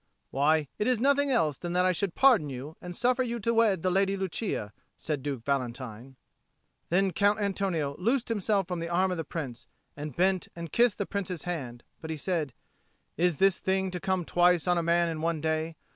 "Why, it is nothing else than that I should pardon you, and suffer you to wed the Lady Lucia," said Duke Valentine. Then Count Antonio loosed himself from the arm of the Prince and bent and kissed the Prince's hand; but he said, "Is this thing to come twice on a man in one day?